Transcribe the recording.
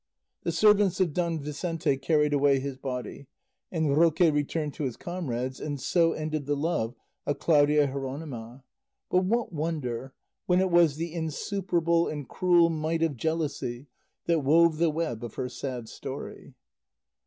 The servants of Don Vicente carried away his body, and Roque returned to his comrades, and so ended the love of Claudia Jeronima; but what wonder, when it was the insuperable and cruel might of jealousy that wove the web of her sad story?